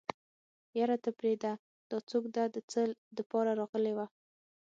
يره ته پرېده دا څوک ده د څه دپاره راغلې وه.